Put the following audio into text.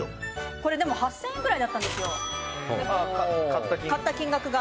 「これ、でも、８０００円ぐらいだったんですよ、買った金額が」